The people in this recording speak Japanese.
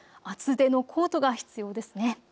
厚手のコートが必要です。